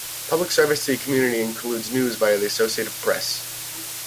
Public Service to the community includes news via the Associated Press.